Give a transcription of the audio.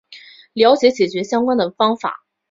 了解解决相关的方法